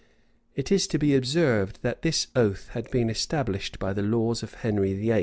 [] It is to be observed, that this oath had been established by the laws of Henry VIII.